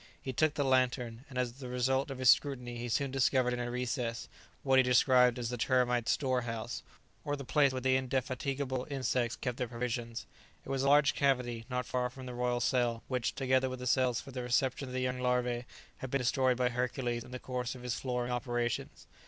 He took the lantern, and as the result of his scrutiny he soon discovered in a recess what he described as the termites' "storehouse," or the place where the indefatigable insects keep their provisions. It was a large cavity, not far from the royal cell, which, together with the cells for the reception of the young larvae, had been destroyed by Hercules in the course of his flooring operations.